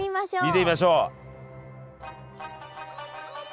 見てみましょう。